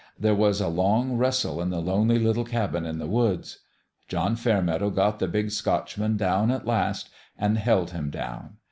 There was a long wrestle in the lonely little cabin in the woods. John Fairmeadow got the Big Scotchman down, at last, and held him down.